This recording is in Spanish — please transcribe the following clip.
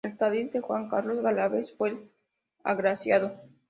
El Cádiz de Juan Carlos Gálvez fue el agraciado.